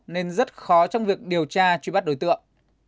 nên rất khó trong việc điều tra truy bắt đối tượng